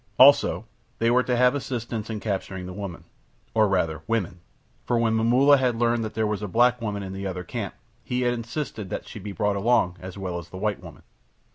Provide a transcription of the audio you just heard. Also, they were to have assistance in capturing the woman, or rather women, for when Momulla had learned that there was a black woman in the other camp he had insisted that she be brought along as well as the white woman.